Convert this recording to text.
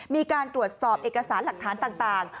มีการตรวจสอบเอกสารหลักฐานต่าง